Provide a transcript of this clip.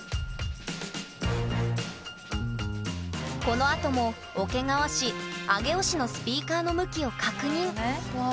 このあとも桶川市上尾市のスピーカーの向きを確認。